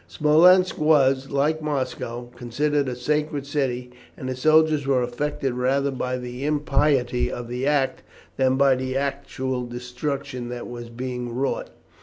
Smolensk was, like Moscow, considered a sacred city, and the soldiers were affected rather by the impiety of the act than by the actual destruction that was being wrought.